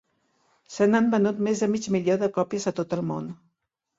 Se n'han venut més de mig milió de còpies a tot el món.